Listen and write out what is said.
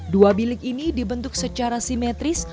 dua bilik ini dibentuk secara simetris